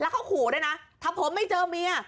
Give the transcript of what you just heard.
เขาขู่ด้วยนะถ้าผมไม่เจอเมีย